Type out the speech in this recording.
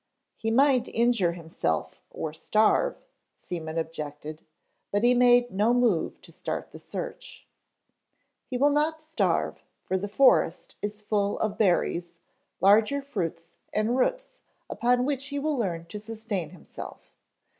"He might injure himself or starve," Seaman objected, but he made no move to start the search. "He will not starve, for the forest is full of berries, larger fruits and roots upon which he will learn to sustain himself.